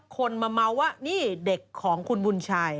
คนมาเมาว่านี่เด็กของคุณบุญชัย